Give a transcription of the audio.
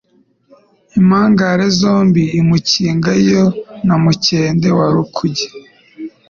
Impangare zombi Mukiga Yo na Mukende wa Rukuge